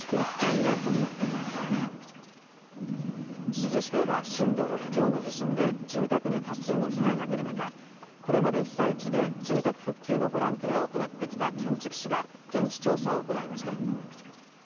珠洲市では震度６強の地震で住宅に多数の被害が出る中これまで被災地で住宅復旧のボランティアを行ってきた建築士が現地調査を行いました。